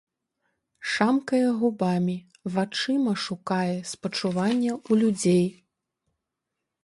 Шамкае губамі, вачыма шукае спачування ў людзей.